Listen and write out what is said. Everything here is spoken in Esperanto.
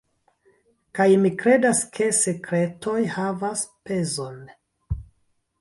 Kaj mi kredas ke sekretoj havas pezon.